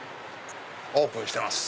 オープンしてます。